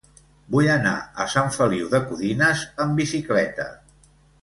Vull anar a Sant Feliu de Codines amb bicicleta.